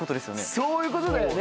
そういうことだよね。